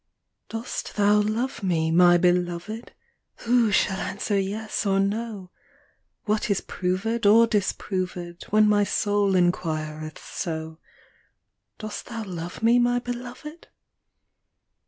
Dost thou love me, my Beloved ? Who shall answer yes or no ? What is proved or disproved When ray soul inquireth so, Dost thou love me, my Beloved